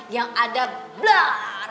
yang ada blur